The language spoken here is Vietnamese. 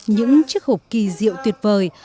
những chiếc hộp kỳ diệu tuyệt vời